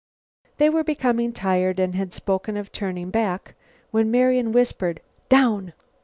They were becoming tired, and had spoken of turning back, when Marian whispered: "Down!"